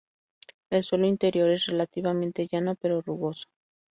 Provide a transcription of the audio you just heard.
El suelo interior es relativamente llano, pero rugoso.